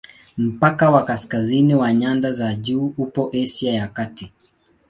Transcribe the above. Mpaka wa kaskazini wa nyanda za juu upo Asia ya Kati.